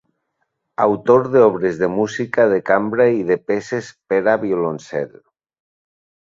Autor d'obres de música de cambra i de peces per a violoncel.